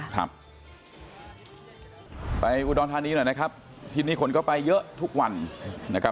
ครับไปอุดรธานีหน่อยนะครับทีนี้คนก็ไปเยอะทุกวันนะครับ